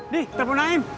dih telepon naim